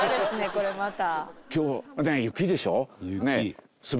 これまた。